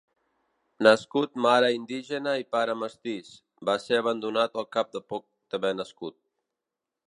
Nascut mare indígena i pare mestís, va ser abandonat al cap de poc d'haver nascut.